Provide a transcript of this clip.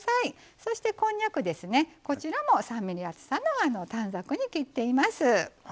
そして、こんにゃくこちらも３ｍｍ厚さの短冊に切っています。